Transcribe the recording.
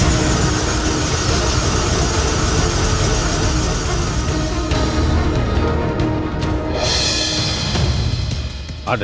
bismillah ayah anda